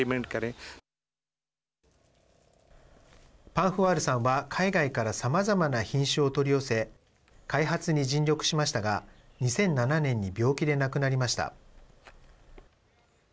パンフワールさんは海外からさまざまな品種を取り寄せ開発に尽力しましたが２００７年に病気で亡くなりました。